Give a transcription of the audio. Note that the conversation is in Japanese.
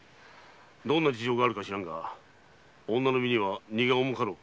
どんな事情か知らんが女の身には荷が重かろう。